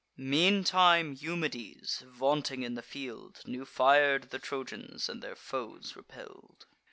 Meantime Eumedes, vaunting in the field, New fir'd the Trojans, and their foes repell'd.